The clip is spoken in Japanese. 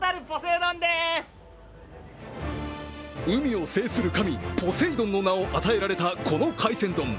海を制する神、ポセイドンの名を与えられたこの海鮮丼。